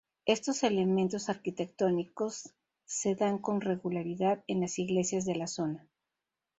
Estos elementos arquitectónicos se dan con regularidad en las iglesias de la zona.